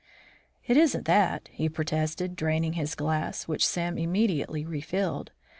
"It isn't that," he protested, draining his glass, which Sam immediately refilled.